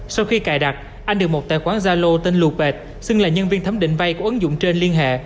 sau khi cài đặt anh được một tài khoản gia lô tên lù bệt xưng là nhân viên thấm định vai của ứng dụng trên liên hệ